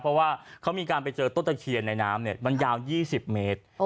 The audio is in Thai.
เพราะว่าเขามีการไปเจอต้นตะเคียนในน้ำเนี่ยมันยาวยี่สิบเมตรโอ้